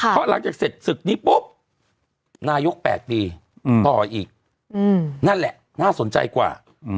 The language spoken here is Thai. เพราะหลังจากเสร็จศึกนี้ปุ๊บนายก๘ปีต่ออีกนั่นแหละน่าสนใจกว่า